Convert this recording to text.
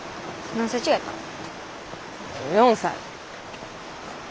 ４歳。